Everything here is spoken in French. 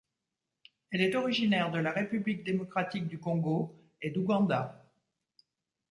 Elle est originaire de la République démocratique du Congo et d'Ouganda.